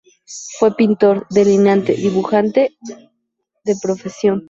Fue pintor, delineante y dibujante de profesión.